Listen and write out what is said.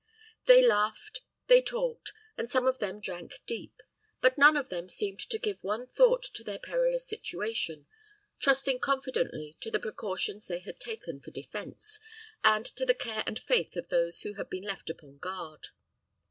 They laughed, they talked, and some of them drank deep; but none of them seemed to give one thought to their perilous situation, trusting confidently to the precautions they had taken for defense, and to the care and faith of those who had been left upon guard.